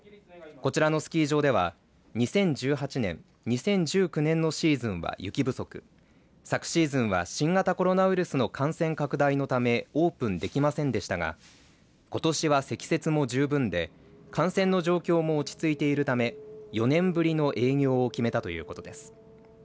こちらのスキー場では２０１８年２０１９年のシーズンは雪不足昨シーズンは新型コロナウイルスの感染拡大のためオープンできませんでしたがことしは積雪も十分で感染の状況も落ち着いているため４年ぶりの営業を決めたということです。